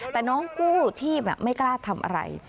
แต่น้องกู้ชีพไม่กล้าทำอะไร